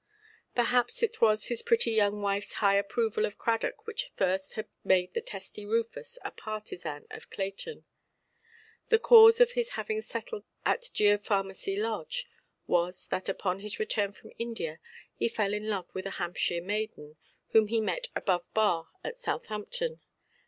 Perhaps it was his pretty young wifeʼs high approval of Cradock which first had made the testy Rufus a partisan of Clayton. The cause of his having settled at "Geopharmacy Lodge" was, that upon his return from India he fell in love with a Hampshire maiden, whom he met "above bar" at Southampton.